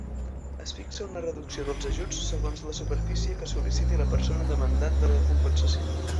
Es fixa una reducció dels ajuts segons la superfície que sol·liciti la persona demandant de la compensació.